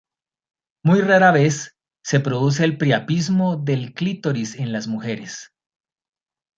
Muy rara vez, se produce el priapismo de clítoris en las mujeres.